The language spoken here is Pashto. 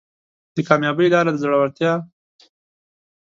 د کامیابۍ لاره د زړورتیا